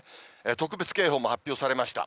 特別警報も発表されました。